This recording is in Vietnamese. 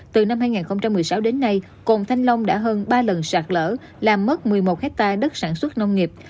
từ năm hai nghìn một mươi sáu đến nay cồn thanh long đã hơn ba lần sạt lở làm mất một mươi một hectare đất sản xuất nông nghiệp